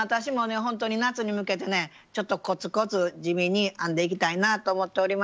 ほんとに夏に向けてねちょっとこつこつ地味に編んでいきたいなと思っております。